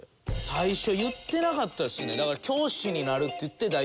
最初言ってなかったですね。